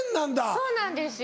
そうなんですよ